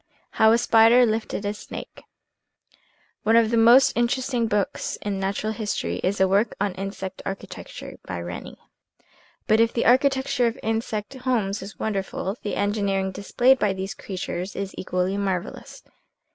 HOW A SPIDER LIFTED A SNAKE NE of the most interesting books in natural his tory is a work on " Insect Architecture," by Rennie. But if the architecture of insect homes is wonderful, the engineering displayed by these creatures is equally marvellous.